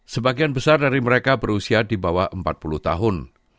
sebagian besar dari mereka berusia di bawah empat puluh tahun